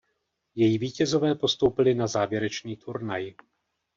Její vítězové postoupili na závěrečný turnaj.